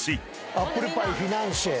アップルパイフィナンシェ。